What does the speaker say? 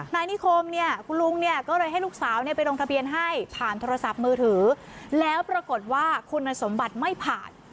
นายนิคมเนี่ยคุณลุงเนี่ยก็เลยให้ลูกสาวไปลงทะเบียนให้ผ่านโทรศัพท์มือถือแล้วปรากฏว่าคุณสมบัติไม่ผ่าน